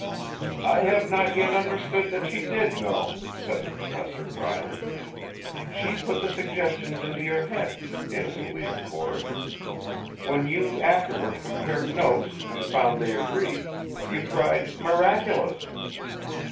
"I have not yet understood that she did know," said the Professor dryly. "She put the suggestions into your head; innocently, of course. When you afterward compared notes and found they agreed, you cried 'miraculous'!